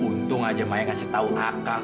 untung aja main ngasih tau akang